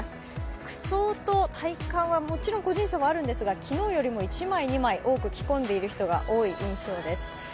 服装と体感はもちろん個人差はあるんですが、昨日よりも１枚、２枚多く着込んでいる人が多い印象です。